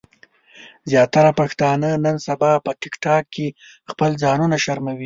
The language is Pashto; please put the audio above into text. زياتره پښتانۀ نن سبا په ټک ټاک کې خپل ځانونه شرموي